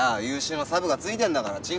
優秀なサブがついてんだから。